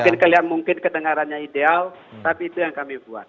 mungkin kalian mungkin kedengarannya ideal tapi itu yang kami buat